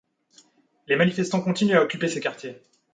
Les manifestants continuent à occuper ces quartiers.